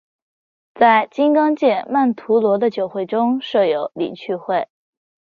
在金刚界曼荼罗的九会中设有理趣会。